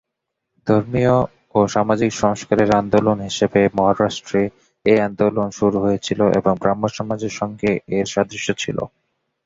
ধর্মীয় ও সামাজিক সংস্কারের আন্দোলন হিসাবে মহারাষ্ট্রে এই আন্দোলন শুরু হয়েছিল এবং ব্রাহ্মসমাজের সঙ্গে এর সাদৃশ্য ছিল।